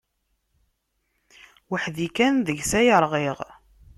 Weḥd-i kan deg-s ay rɣiɣ.